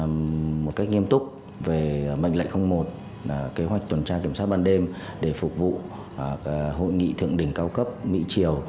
là một cách nghiêm túc về mệnh lệnh một kế hoạch tuần tra kiểm soát ban đêm để phục vụ hội nghị thượng đỉnh cao cấp mỹ triều